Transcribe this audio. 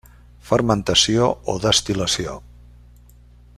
Fermentació o destil·lació.